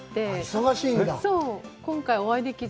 忙しいんだ？